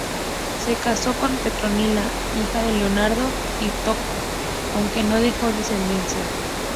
Se casó con Petronila, hija de Leonardo I Tocco, aunque no dejó descendencia.